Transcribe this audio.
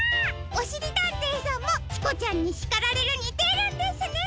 おしりたんていさんも「チコちゃんに叱られる！」に出るんですね。